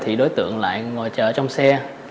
thì đối tượng lại ngồi chờ trong xe